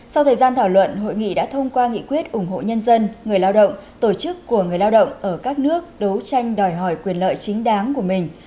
sau thời gian thảo luận hội nghị đã thông qua nghị quyết ủng hộ nhân dân người lao động tổ chức của người lao động ở các nước đấu tranh đòi hỏi quyền lợi chính đáng của mình